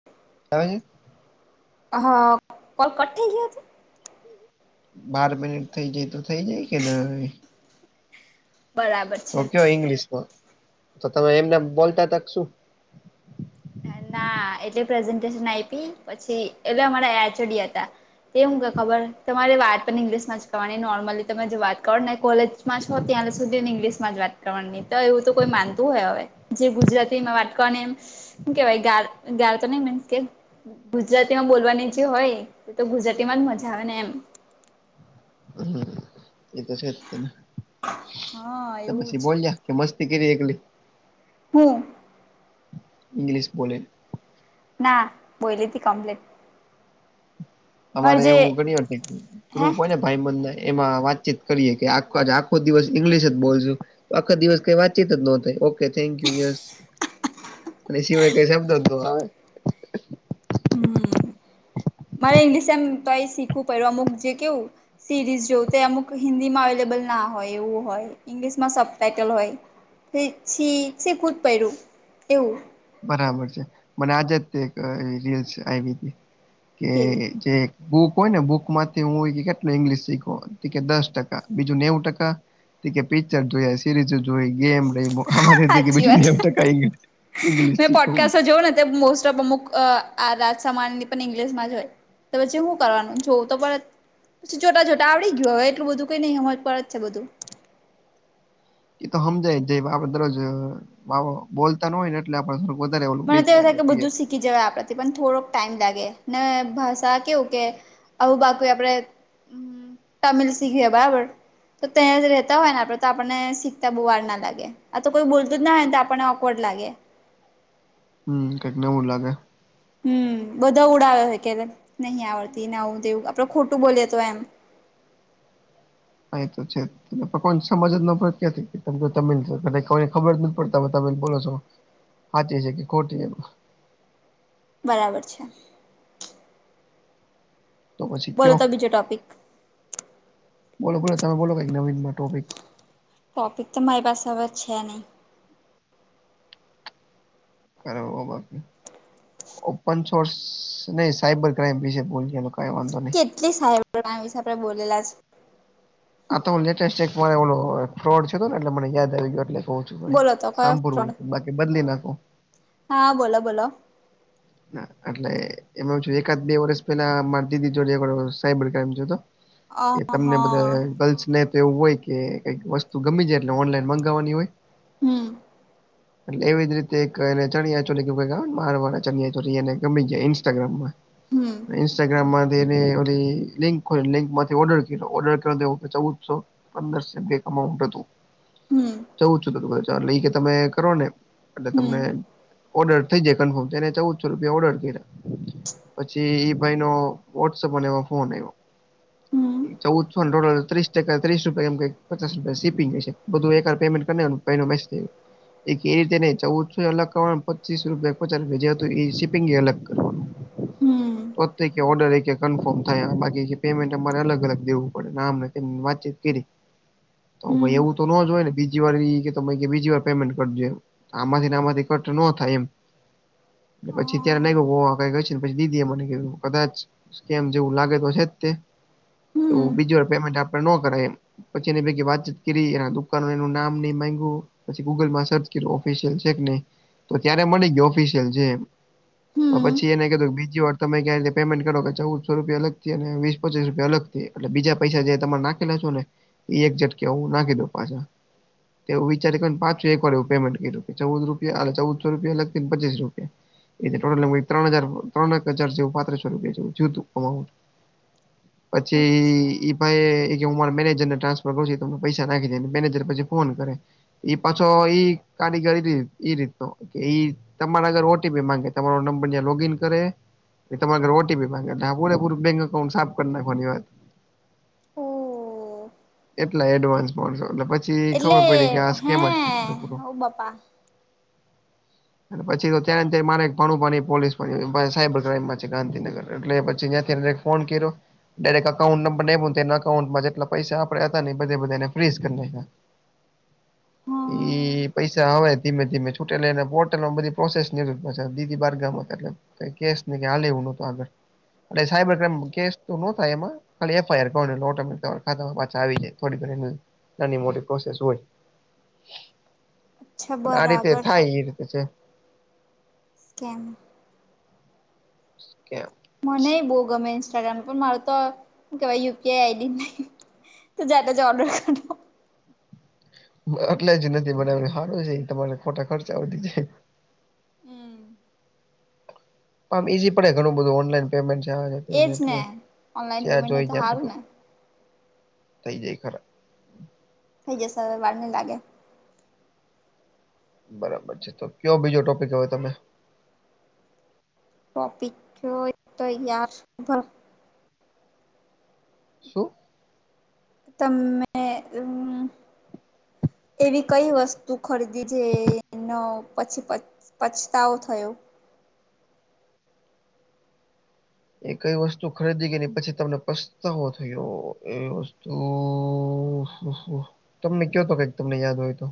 [inaudible] કે પ છે [inaudible] હ હા કોલ કટઈ ગયા છે. બાર મિનિટ થઇ જાય તો થઇ જાય કે ના. બરાબર તો છે. કયો ઈંગ્લિશમાં તો તમે એમને બોલતા તક શું. ના એટલે પ્રેઝન્ટેશન આપી પછી એટલે અમારા એચડી હતા. તે હું કે ખબર તમારે વાત પણ ઇંગ્લિશમાં જ કરવાની નોર્મલી તમે જો વાત કરો ને કોલેજ માં હો ત્યાં સુધી ને ઇંગ્લિશમાં જ વાત કરવાની તો એવું તો કોઈ માનતું હોય હવે જે ગુજરાતીમાં વાટકો એમ શ કેવાય ગતો નહી મીન્સ કે ગુજરાતીમાં બોલવાની જે હોય તો તો ગુજરાતીમાં જ મજા આવે ને એમ હમ એ તો છે હા તો એવું પછી જ બોલ્યા કે મસ્તી કરી એકલી હમ ઇંગલિશ બોલે ના બોઈલીતી કમ્પ્લીટ અમારે પણ જે એવું ઘણીવાર હે ક્રુપ હોય ને ભાઈબંધના એમાં વાતચીત કરીએ કે આ આખો દિવસ ઈંગ્લિશ જ બોલશું આખા દિવસ કાઈ વાતચીત જ નો થય થેન્કયુ યસ અને સિવાય કાઈ શબ્દ જ નો આવે હમ મારે ઇંગ્લિશ એમ તોય એ શીખવું પડ્યું અમુક જે કેવું સિરીઝ જોવું તે અમુક હિન્દીમાં અવેલેબલ ના હોય એવું હોય ઇંગ્લિશમાં સબ ટાઇટલ હોય છી છે કૂદ પહેરું એવું બરાબર છે મને આજ જ એક રીલ્સ આવી હતી કે કેવી જે બુક હોય ને બુક માંથી હું કેટલું ઈંગ્લિશ શીખો કે દસ ટકા બીજું નેવું ટકા ઈ કે પિક્ચર જોયા સિરિજુ જોય ગેમ રમ્યો અમારે તો બીજું નેવું ટકા ઇંગ્લિશ મે શીખવું પોડકાસ્ટ જોઓ ને મોસ્ટ ઓફ અમુક અ આ રાજ સમાન ની પણ ઇંગ્લિશ માં જ હોય તો પછી સુ કરવાનું જોવું તો પણ પછી જોતા જોતા આવડી ગયુ હવે એટલું બધું કઈ નહીં સમજ પડે જછે બધું ઈ તો સમજાયઆપડે દરોજ બોલ લતા નો હોય ને એટલે આપ થોડુંક વધારે ઓલું મને બીક તો એવું થાય લાગેબીએક બધું કે જવાય આપણાથી પણ થોડોક ટાઈમ લાગે ને ભાષા કેવું કે આવું બાકી આપડે તમિલ શીખીએ બરાબર તો ત્યાં જ રહેતા હોય ને આપડે તો આપણને શીખતા બહુ વાર ના લાગે આ તો કોઈ બોલતું જ નાહોય ને તો આપણને ઓકવર્ડ લાગે હમ કાઈક નવું લાગે હમ બધા ઉડાવે હોય કે નહીં આવડતીને આવુ કે તેવું આપડે ખોટું બોલઈ તે એમ હા ઇતો છે કોઈ ને સમજ નો પડતી કોઈને ખબર નથી પડતા તમે તમે બોલો છો સાચી છે કે ખોટી બરાબર છે તો પછી બોલો કયો તો બીજો ટોપિક બોલો બોલો તમે બોલો કઈ નવીનમાં ટોપિક ટોપિક તો મારી પાસે હવે છે નઈ તારા બોબા ઓપન સોર્સ નહી સાયબર ક્રાઈઇમ વિશે ભૂલ કઈ વાંધો નહી કેટલી સાહેબ વિશે આપણે બોલેલા છે આ તો લેટેસ્ટ એક મા એ ફ્રોડ થયો તો ને એટલે મને યાદ આવી ગયો એટલે બોલો તો કયો સાંપુર ફ્રોડ હોય બાકી બદલી નાખો હા બોલો બોલો એટલે એમાં એકાદ બે વર્ષ પેલા માર દીદી જોડે સાયબર ક્રાઈમ થયો તો અ કે તમને હા બધા ગર્લ્સને એવું હોય કે કઈક વસ્તુ ગમી જાય એટલે ઓનલાઈન મંગાવવાની હોય હમ એટલે એવી જ રીતે એક એને ચણયાચોલી આવે ને મારવાડા ચણિયાચોળી એને ગમી ગયા ઈન્સ્ટાગ્રામમાં હમ ઇન્સ્ટાગ્રામ માંથી એને ઓલી લિંક ખોલી લિંક માંથી ઓર્ડર કર ઓર્ડર કર ચૌવુદસો પંદરસો [unintelligible] કમાઉન્ટ હતું હમ જઉું છું તો ચ લઈ કે તમે કરો ને એટલે તમને હમ ઓર્ડર થઈ જાય કન્ફર્મ થય જાય ચૌવુદસો રૂપિયા ઓર્ડર કર્યા પછી એ ભાઈ નો વોટસઅપ એમાં ફોન આવવા હમ ચૌવુદસો નેટોટલ ત્રીસ ટકા ત્રીસ રૂપિયાએમ કાઈક પચાસ રૂપિયા સીપિંગ હશે બધું એક હારે પેમેન્ટ કર નાખું [unintelligible] પચીસ ચીસ રૂપિયા [unintelligible] શીપિંગ એ અલગ કરવાનું હમ ઓડરેકે કન્ફર્મ થયા બાકી પેમેન્ટ અમારે અલગ અલગ દેવું પડેમને વાતચીત કરી તો હમ એવું તો નો જ હોય ને બીજી વાર કે બીજી વાર પેમેન્ટ કરજે આમાંથી ને આમાંથી કટ ન થાય એમ ઓ પછી ત્યારે નઈ ગું કઈ ગઈ છે પછી દીદી એ મને કધું કદાચ કેમ જેવું લાગે તો છે જ તે હમ એવું બીજી વાર પેમેન્ટ આપે ન કરાય એમ પછી એની ભ વાતચીત કરી એના દુકાન એનું નામ નહી માંયગું પછી ગૂગલમાં સર્ચ કર ઓફિસયલ છે કે નહી તો ત્યારે મળી ગયો ઓફિસિયલ છે હમ પછ એને કધું કે બીજી વાર તમે ક્યા રતે પેમેન્ટ કરો કે ચૌદો રપિયા અલગથી અને વીસ પચીસ રૂપિયા અલ એટલે બીજા પૈસા જે તમે નાખેલા છો ને એ એક ઝટકે હું નાખી દઉ પાછા વિચારીને પાચો એક વાડ એ પેમેન્ટ કર્યું કે ચૌદ રૂપિયા ચૌદસો રૂપિયા લગ ને પચીસ રૂપિયા એટલે ત્રણ હજાર ત્રણ હજાર જેવ પાત્રીસ સોં રૂપિયા જેવું થયું તું અમાઉન્ટ પછી અચ્છા ઈ ભાઈ કે હું મારા મેનેજર ને ટ્રાન્ફર કર છું તો પૈસા નાખી દે મેનેજર પસી ફોન કરે એ પાછો કારીગર એ એ રીતનો કે ઈ તમારા ઓટીપી માંગે તમારો ત્યાં નંબર લોગઈન કરે એ તમારા ઘરે ઓટીપી માંગે એટલે પૂરેપૂર બેંક અકાઉન્ટ સાફ કરી નાખવાની વાત ઓ એટલા એડવાન્સ પાનસો એટલે પછી ખબર એટલે પડી કે આ હે સ્કેમ જ છે પૂરું ઓ બાપા અને પછીતો ત્યાં તે મારે ભણું પની પોલીસ સાયબર ક્રાઈમમાં છે ગાંધીનગર એટલે પછી ત્યા ફોન કર્યો ડાયરેક અકાઉન્ટ નંબરને આયપો ને તેના અકાઉન્ટમાં જેટલા પૈસા આપડે હતા ને એ બધે બધાને ફ્રીસ કરી નાયખા હા એ પૈસા હવે ધીમે ધીમે છૂટે લઈને પોર્ટલમાં બધી પ્રોસેસ [unintelligible] એટલે સાયબર ક્રાઈમ કેસ તો ન થાય એમાં ખાલી એફઆર કરવા ઓટો મેટિક તમારા ખાતામાં પાછા આવી જાય થોડી ઘની નાની મોટી પ્રોસેસ હોય અચ્છા પણ આ રીતે બરાબર થાય એ રીતે છે કેમ ક્યાં મનેહી બહુ ગમે ઇન્સ્ટાગ્રામ પણ મારું તો શું કેવાય યુપીઆઈ આઈડી જ નહીં [unintelligible] એટલે જ નથી મને એ સારું છે તમારે ખોટા ખર્ચા વધી જાય હમ આમ ઈઝી પે ઘું બધું ઓનલાઈન પેમેન્ટ છેે એજ એટલે ને ઓનલાઈન જ્યાં પેમેન્ટ એ જોઈ તો ત્યા સારું બધું ને થઈ જાય ખરા થઈ જસે હવે વાર ની લાગે બરાબર છે તો કયો બીજો ટોપિક હવે તમે ટોપિક તો યાર શું તમે એવી કઈ વસ્તુ ખરીદી છે પછી પ પછતાવો થયો એ કઈ વસ્તુ ખરીદી ગઈ પછી તમને પસ્તાવો થયો એ વસ્તુ તમને કહ તો કઈક તમને યાદ હોય તો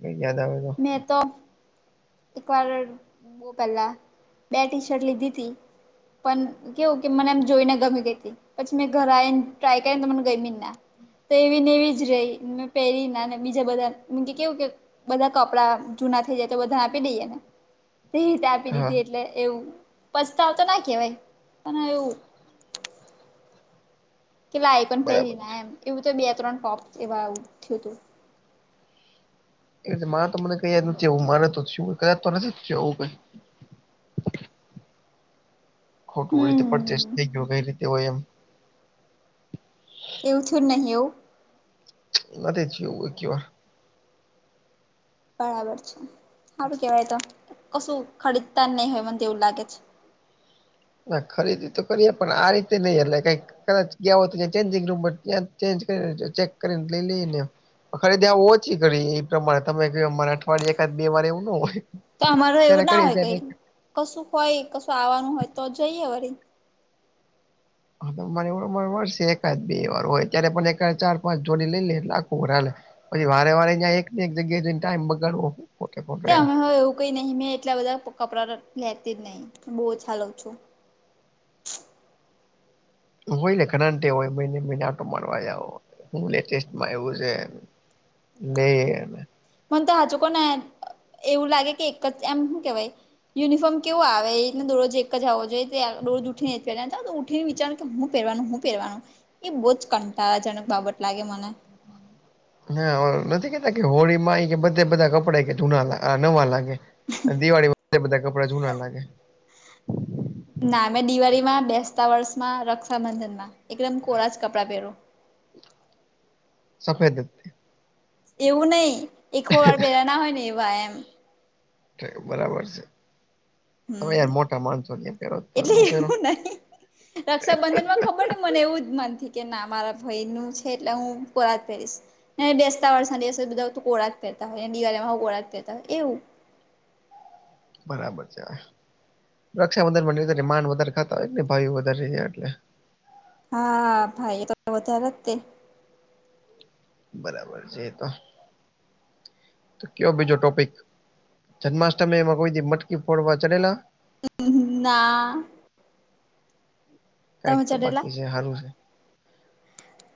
ક યાદ આવે મેં તો એકવાર બો પહેલાં બે ટી શર્ટ લીધી હતી પણ કેવું કે મને એમ જોઈને ગમી ગઈ તી પછી મેં ઘરે આવી ને ટ્રાય કરીને તો મને ગયમી જ ના તો એવી નેવી જ રેય મેં પહેરી ના બીજા બધા કે કેવું કે બધા કપડા જૂના થઈ જાય એટલે બધા આપી દઈએને તે રીતે આપી હા દીધી એટલે એવું પસ્તાવો તો ના કેવાય પણ એવું કેટલા આઈ પણ પેરી બરાબર છે ના એમ એવું તો બે ત્રણ ટોપ એવા થયું તું. એ કે મારે તો મને કૈયા નથી આવું મારે તો થયું ક તો નથી જ એવું કઈ ખોટું હોય તે પરચેસ હમ થઈ ગયો કઈ રીતે હોય એમ. એવું થયું જ નહીં એવું? નથી થયું એકે વાર. બરાબર છે હારું કેવાય એ તો કશું ખરીદતા જ નહી હોય મને તો એવું જ લાગે છે. ના ખરીદી તો કરીએ પણ આ રીતે નઈ એટલે કંઈક કદાચ ગયા હોય તો ત્યા ચેન્જિંગ રૂમમાં ત્યાં ચેન્જ કરીને ચેક કરીને લઈ લઈએ ને એમ. ખરીદી આ ઓછી કરી એ પ્રમાણે તમે કયો એમ અમારે અઠવાડયે એકાદ બે વાર એવું ન હોય. તો અમારુ એવું ત્યારે ના કરીએ હોય ત્યારે કઈ. કશુંક હોય કશું આવવાનું હોય તો જઈએ વળી હા મને મળશે એકાદ બે વાર હોય ત્યારે પણ એકાદ ચાર પાંચ જોડી લઈ લે એટલે આખું વર હાલે. પછી વારે વારે નયા એક ને એક જગ્યાએ જઈને ટાઈમ બગાડવો. ખોટે ખોટો તો એમ અમે હ એવું કઈ નહી મેં એટલા બધા કપડા લેતી જ નહી બહુ ઓછા લઉ છું. હોય ને ઘણા ને ટેવ હોય મહિને મહિને આટો મારવા જાવો હું લેટેસ્ટમાં આવ્યું છે. લે ને મને તો હાચુ કઉં ને એવું લાગે કે એક જ એમ હું કેવાય યુનિફોર્મ કેવો આવે એ રીતના દરોજ એક જ આવો જોઈએ તે આવે રોજ પેરવાનો ઉઠીને અ ઉઠીને વિચાર કે હું પહેરવાનું હું પહેરવાનું એ બહુ જ કંટાળાજનક બાબત લાગે મને. હા નથી કેતા કે હોળીમાં એ કે બધે બધા કપડા એ કે જૂના લાગે અ નવા લાગે. અને દિવાળી વખતે બધા કપડા જૂના લાગે. ના મેં દિવાળીમાં, બેસતા વર્ષમાં, રક્ષાબંધનમાં એકદમ કોરા જ કપડાં પહેરુ. સફેદ જ તે એવું નહી એકે ખો વાર પહેલા ના હોય ને એવા એમ. બરાબર છે. તમે હમ યાર મોટા માણસો એ પહેરો તો તમે એટલે નો પહેરો. એવું નહી રક્ષાબંધનમાં ખબર નહીં મને એવું જ મનથી કે ના મારા ભાઈ નું છે એટલે હું કોરા જ પહેરીશ. ને બેસતા વર્ષ ના દિવસે બધા તો કોરા જ પહેરતા હોય ને દિવાળીમાં હાવ કોરા જ પહેરતા હોય એવું. બરાબર છે. રક્ષાબંધન માં નહીંતરે માન વધારે ખાતા હોયને ભાઈ યુ વધારે છે એટલે. હા ભાઈ એ તો વધારે જ તે. બરાબર છે એ તો. તો કયો બીજો ટોપિક. જન્માષ્ટમી એમાં કોઈ મટકી ફોડવા ચડેલા? ના કાઈક તમે તો ચઢેલા બાકી છે હારું છે.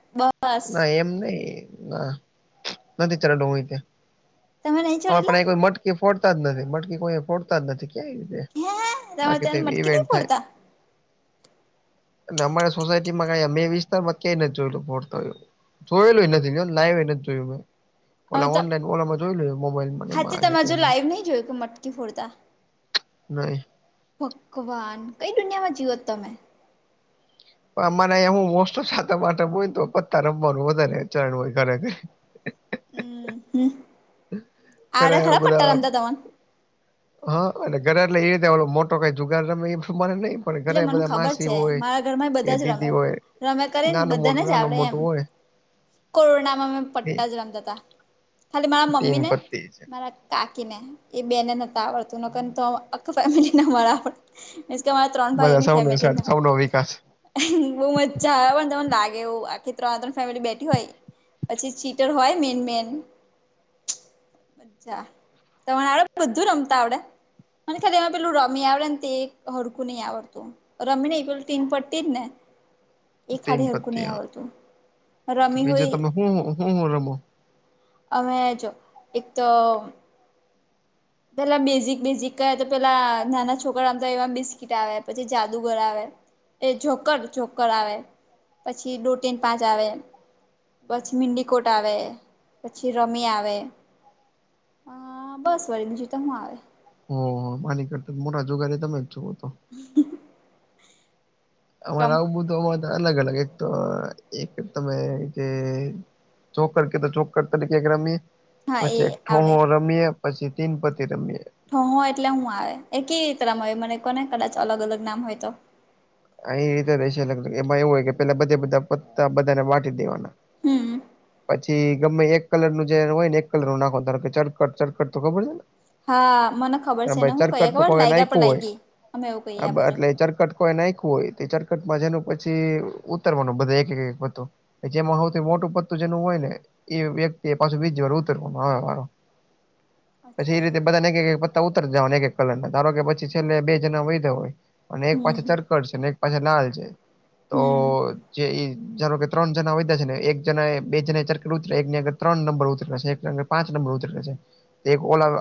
બ ના એમ નહીં ના નથી ચડેલો હું એ તે. તમે નહી હ પણ ચઢેલા એ કોઈ મટકી ફોડતા જ નથી મટકી કોઈ ફોડતા જ નથી ક્યા હે તમે બાકી તો ત્યારે એવી મટકી નહી ઇવેન્ટ થાય. ફોડતા અને અમારા સોસાયટીમાં કાઈ મેં વિસ્તારમાં ક્યાંય નથી જોયેલું ફોડ તા એવું જોયેલું એ નથી લ્યો ને લાઈવ એ નથી જોયું મે અમે ઓલા તો ઓનલાઈન ઓલામાં જોઈલું મોબાઈલમાં ને એમાં હાચે આવે છે તમે તે હજુ લાઈવ નહી જોયું કે મટકી ફોડતા નહીં. ભગવાન કઈ દુનિયામાં જીઓ તમે? અ મને અહીંયા હું મોસ્ટ સાતમ આઠમ હોય ને તો પત્તા રમવાનું વધારે ચરણ હોય ઘરેથી. અમ હમ ઘરે આવડે ખરા બધા પતા રમતા તમને? હા અને ઘરે એટલે એ રીતેલો મોટો કઈ જુગાર રમે એ પ્રમાને નઈ એટલે મને ખબર છે મારા ઘરમાં એ કે બધા જ રમે. દીદી હોય રમે કરીને નાનું બધાને મોટું જ નાનું આવડે એમ. મોટું હોય કોરોનામાં મે તે પટ્ટા જ રમતા તા ખાલી મારા તીન મમ્મી ને પત્તી છે મારા કાકીને એ બેને નતા આવડતું નકન તો આખું ફેમિલી ને અમારા આવડ મીન્સ કે અમાર ત્રણ બધા ભાઈઓની સૌનો સાથ ફેમિલીમાં સૌનો વિકાસ બઉુ મજ્જા આવે પણ તમને લાગે એવું આખી ત્રણ ત્રણ ફેમિલી બેઠી હોય પછી ચીટર હોય મેન મેન અચ્છા તનેડે બધું રમતા આવડે અને ખા એમાં પેલું રમ્યા આવ વડ ક આવડતોું રમીન એકલ તીન પટ્ટી ને તીન એખાદ હરકું ન પત્તી આવડતું રમી હોય. હમ રમ અમે જો એક તો પેલા બેઝિક બેઝિક ક તો પેલા નાના છોકરા આમ તો એવા બિસ્કીટ આવે પછી જાદુ ઘર આવે એ જોકર જોકર આવે પછી દોટીન પાંચ આવે પછી મિન્ડીકોટ આવે પછી રમી આવે હ બસ વળ બીજીું તો હું આવે હ હ માની કરતા મ રજુગારી તમે ઈ્છુકો તો હ અમારે આવું બધુંમાં તો અલગ અલગ એક તો એક તમે જે છોંક કર તો ચોંક કરતા કેમે હા એ પછી એક આવડે ઠોગો રમીએ પછી તીન પતિ રમીએ હ હો એટલે હું આવે એ કેવી રીતમાં મને કોને કદાચ અલગ અલગ નામ હોય તો અ એ રીતે દ એમાં એવું હોય કે પેલા બધા બધા પતા બધાને વાટી દેવાના હમ પછી ગમે એક કલર નું જે હોય ને એક કલર ન નાખોનું ધો કે ચકટ ચળકટ તો ખબર છે હા મને ખબર ને છે ભાઈ હું કહીએ ચરકટ નું ખબર કો લાયગા પર નાખું હોય લાયગી અમે એવું કહીએ આ બાજુ એટલે ચરકટ ને નાખું હોય ચરકટમાં જેનું પછી ઉતરવાનું બધા એક એક હતું. જેમાં સૌથી મોટું પત્તું જેનું હોય ને એ વ્યક્તિ એ પાછું બીજ વાર ઉતરવામાં આવે વારો [inaudible] પછી અચ્છા એ રીતે એવું બધાને એક પત્તા ઉતર જવા એક એક કલર નાને ધારો કે પછી છેલ્લે બે જણા હોય હોય. અને એક હમ પાછ તરકડ છે અને એક પાછ લાલ છે તો હમ જે જાો કે ત્રણ જણા વધ્યા છે ને એક જ એ બે જના ચારક ઉત એકની આર ત્રણ નંબર ઉતરે્યા છે. પાંચ નંબર ઉતરેકે છે. એક ઓલાગ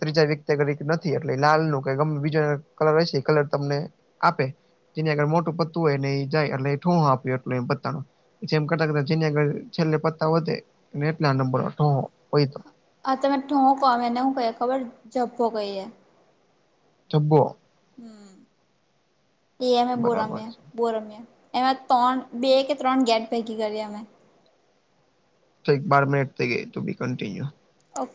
ત્રીજા વ્યક્તિગ નથી એટલે લાલ નું ગમે બીજો કલર હો છે એ કલર તમને આપે જેની આગળ મોટું પત્તું હોય ને એ જાય એટલે ઠોહ આપ્યો એટલ પતાણ જેમ કરતા કરતા જે આગળ છેલ્લે પત્તા વધે એટલે નંબર હોય તો હા તમે હું કહો અને હું કહીએ ખબર જઝ્પો કહીએ થ્બ હમ એમ બરાબર બોરામ્યા છે. બોરામ્યા એમાં ત્રણ બે કે ત્રણ ગેટ ભેગી કરી અમે તો એક બાર મિટ થ ત કન્ટિ્યુ ઓકે